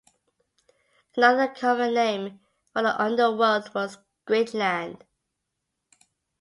Another common name for the Underworld was Great Land.